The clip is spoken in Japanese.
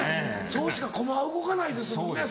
そうしか駒は動かないですもんね